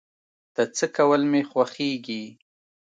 د څه کول مې خوښيږي؟